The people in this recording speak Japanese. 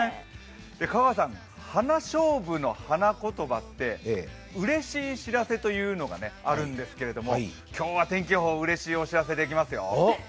香川さん、花しょうぶの花言葉って「うれしい知らせ」というのがあるんですけども今日は天気予報、うれしいお知らせできますよ。